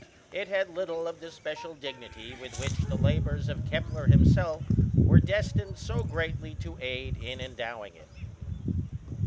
It had little of the special dignity with which the labours of Kepler himself were destined so greatly to aid in endowing it.